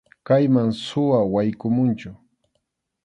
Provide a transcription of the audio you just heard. Kayman suwa yaykumunchu.